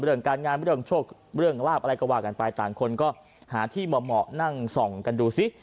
เรื่องการงานเรื่องโชคเรื่องลาบอะไรก็ว่ากันไปต่างคนก็หาที่เหมาะนั่งส่องกันดูสิ